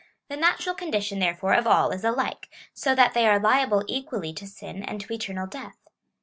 The natural condition, therefore, of all is alike, so that they are liable equally to sin and to eternal death.